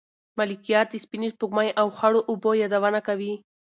ملکیار د سپینې سپوږمۍ او خړو اوبو یادونه کوي.